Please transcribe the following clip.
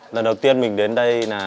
lần đầu tiên mình đến đây là